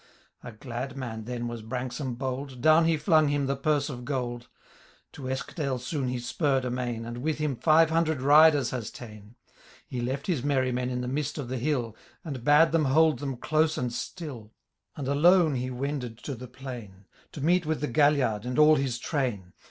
A glad man then was Bfankscnne bold, Down he flung him the purse of gold ; To Eskdale soon he spurred amain. And with him five hundred rid^v has ta*en. He left his merrymen in the mist of the hill. And bade them hold them close and still ; And alone he wended to the plain. To meet with the Gralliard and all his train.